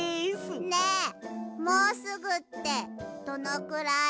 ねえもうすぐってどのくらい？